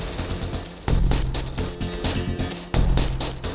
dia jadi parasit